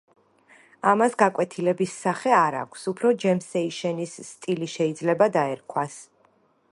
ამას გაკვეთილების სახე არ აქვს, უფრო ჯემსეიშენის სტილი შეიძლება დაერქვას.